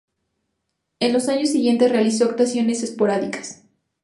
En los años siguientes realizó actuaciones esporádicas.